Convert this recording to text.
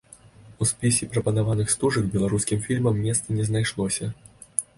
У спісе прапанаваных стужак беларускім фільмам месца не знайшлося.